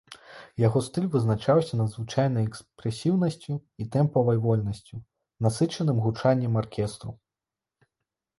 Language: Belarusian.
Яго стыль вызначаўся надзвычайнай экспрэсіўнасцю і тэмпавай вольнасцю, насычаным гучаннем аркестру.